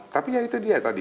tapi ya itu dia tadi